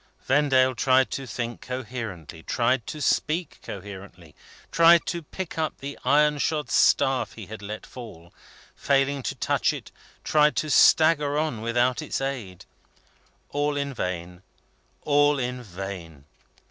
Vendale tried to think coherently, tried to speak coherently, tried to pick up the iron shod staff he had let fall; failing to touch it, tried to stagger on without its aid. All in vain, all in vain!